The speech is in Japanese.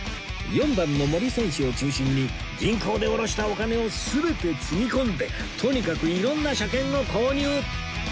４番の森選手を中心に銀行で下ろしたお金を全てつぎ込んでとにかくいろんな車券を購入